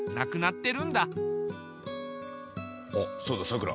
あっそうださくら。